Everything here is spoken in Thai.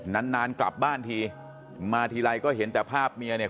นานนานกลับบ้านทีมาทีไรก็เห็นแต่ภาพเมียเนี่ย